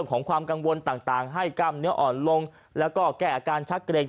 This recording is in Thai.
ของความกังวลต่างให้กล้ามเนื้ออ่อนลงแล้วก็แก้อาการชักเกร็ง